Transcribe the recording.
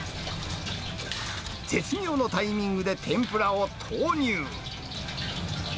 絶妙のタイミングで天ぷらを投入。